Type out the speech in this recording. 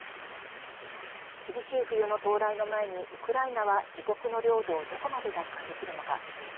厳しい冬の到来の前にウクライナは、自国の領土をどこまで奪還できるのか。